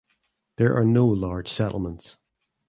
There are no large settlements.